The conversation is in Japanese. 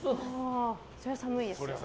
それは寒いですね。